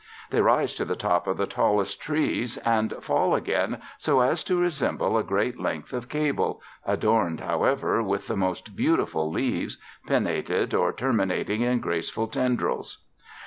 They rise to the top of the tallest trees and fall again so as to resemble a great length of cable, adorned, however, with the most beautiful leaves, pinnated or terminating in graceful tendrils.